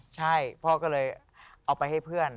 ใช่พ่อก็เลยเอาไปให้เพื่อน